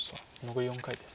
残り４回です。